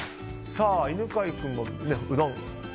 犬飼君もうどん。